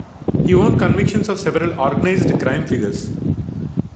He won convictions of several organized crime figures.